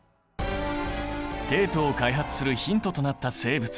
テープを開発するヒントとなった生物。